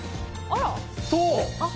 そう。